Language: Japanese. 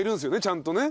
ちゃんとね。